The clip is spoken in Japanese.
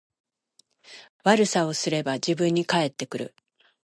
悪さをすれば自分に返ってくる